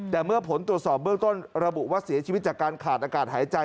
แต่เมื่อผลตรวจสอบเบื้องต้นระบุว่าเสียชีวิตจากการขาดอากาศหายใจ